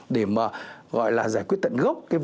để mà gọi là giải quyết tận gốc